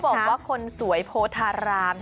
บอกว่าคนสวยโพธาราม